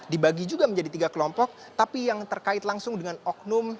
dibagi juga menjadi tiga kelompok tapi yang terkait langsung dengan oknum